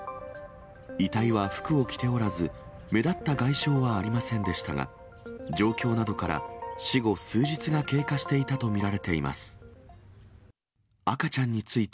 遺体は服を着ておらず、目立った外傷はありませんでしたが、状況などから、死後数日が経過していたと見られています。